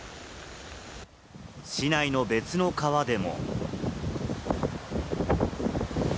市内の別の川でも。